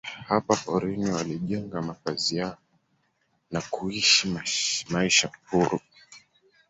Hapa porini walijenga makazi yao na kuishi maisha huru.